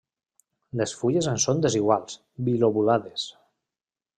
Les fulles en són desiguals, bilobulades.